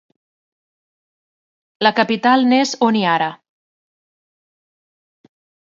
La capital n'és Honiara.